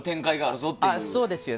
そうですね。